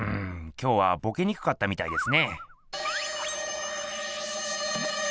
今日はボケにくかったみたいですね。